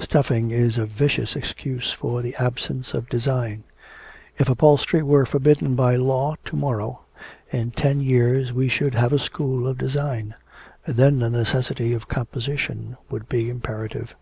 Stuffing is a vicious excuse for the absence of design. If upholstery were forbidden by law to morrow, in ten years we should have a school of design. Then the necessity of composition would be imperative.'